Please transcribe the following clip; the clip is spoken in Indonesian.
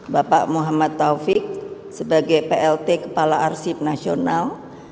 bapak muhammad taufik sebagai plt kepala arsip nasional